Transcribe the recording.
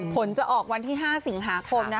ผลจะออกวันที่๕สิงหาคมนะ